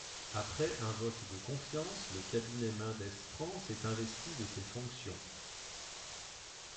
Après un vote de confiance, le cabinet Mendès France est investi de ses fonctions.